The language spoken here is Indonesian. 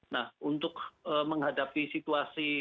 nah untuk menghadapi situasi